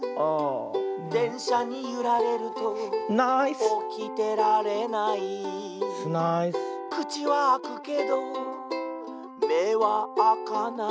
「でんしゃにゆられるとおきてられない」「くちはあくけどめはあかない」